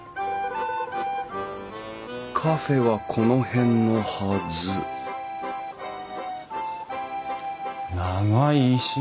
カフェはこの辺のはず長い石垣。